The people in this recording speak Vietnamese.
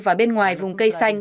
và bên ngoài vùng cây xanh